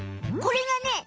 これがね